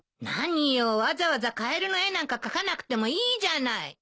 何よわざわざカエルの絵なんか描かなくてもいいじゃない。